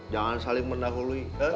jangan saling mendahului